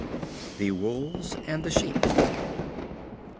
The Wolves and the Sheep.